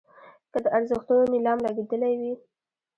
که د ارزښتونو نیلام لګېدلی وي.